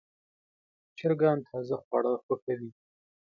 چرګان تازه خواړه خوښوي.